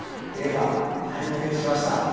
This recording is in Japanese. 映画、拝見しました。